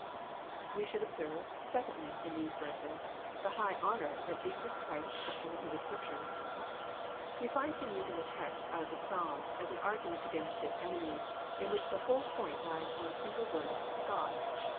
We should observe, secondly, in these verses, Hie high honour that Jesus Christ pvts on the Holy Scriptures, We find Him using a text out of the Psalms as an argument against His enemies, in which the whole point lies in the single word "gods."